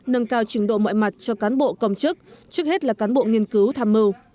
nâng cao trình độ mọi mặt cho cán bộ công chức trước hết là cán bộ nghiên cứu tham mưu